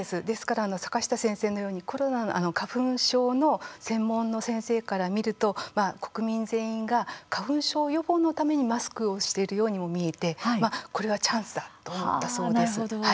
ですから坂下先生のように花粉症の専門の先生から見ると国民全員が花粉症予防のためにマスクをしているようにも見えてこれはチャンスだと思ったそうです。